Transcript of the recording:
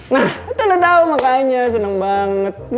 nah itu lo tau makanya seneng banget